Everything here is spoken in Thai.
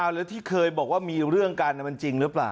แล้วที่เคยบอกว่ามีเรื่องกันมันจริงหรือเปล่า